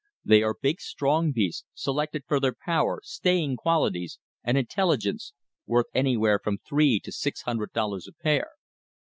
They are big strong beasts, selected for their power, staying qualities, and intelligence, worth anywhere from three to six hundred dollars a pair.